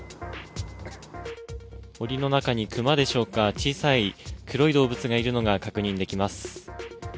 おりの中にクマでしょうか、小さい黒い動物がいるのが確認できます。